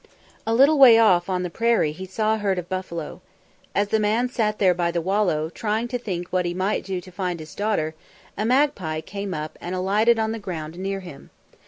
A little way off on the prairie he saw a herd of buffalo. As the man sat there by the wallow, trying to think what he might do to find his daughter, a magpie came up and alighted on the ground near him.